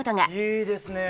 いいですね。